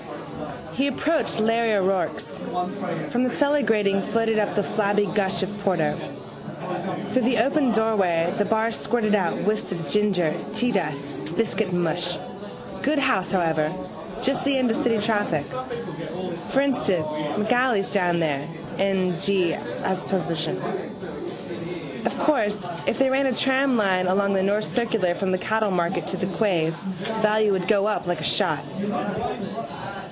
He approached Larry O'Rourke's. From the cellar grating floated up the flabby gush of porter. Through the open doorway the bar squirted out whiffs of ginger, teadust, biscuitmush. Good house, however: just the end of the city traffic. For instance M'Auley's down there: n. g. as position. Of course if they ran a tramline along the North Circular from the cattlemarket to the quays value would go up like a shot.